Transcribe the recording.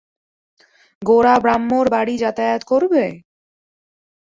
গোরা ব্রাহ্মর বাড়ি যাতায়াত করবে?